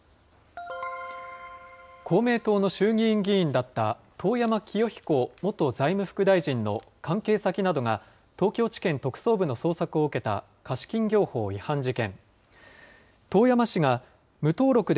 公明党の衆議院議員だった遠山清彦元財務副大臣の関係先などが、東京地検特捜部の捜索を受けた貸金業法違反事件。